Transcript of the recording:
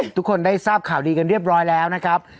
ทุกคนได้ทราบข่าวดีกันเรียบร้อยแล้วนะครับ